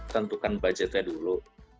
tentukan budgetnya dulu